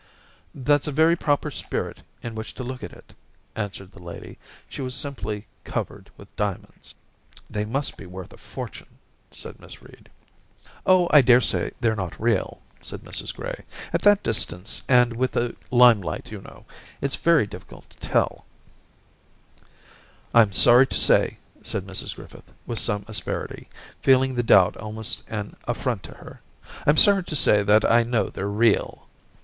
* That's a very proper spirit in which to look at it,' answered the lady. ...* She was simply covered with diamonds.' ' They must be worth a fortune,' said Miss Reed. *0h, I daresay they're not real,' said 254 Orientatums Mrs Gray; *at that distance and with the lime light, you know, it's very difficult to tell/ * I'm sorry to say,' said Mrs Griffith, with some asperity, feeling the doubt almost an affi ont to her —* I'm sorry to say that I know they're real.